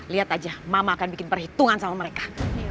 lihat aja mama akan bikin perhitungan sama mereka